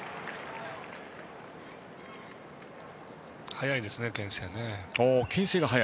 速いですね、けん制ね。